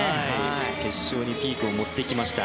決勝にピークを持ってきました。